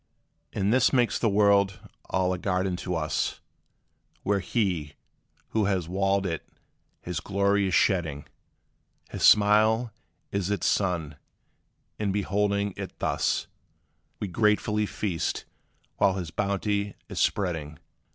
And this makes the world all a garden to us, Where He, who has walled it, his glory is shedding: His smile is its sun; and beholding it thus, We gratefully feast, while his bounty is spreading.